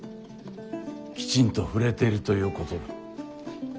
きちんと振れているということだ。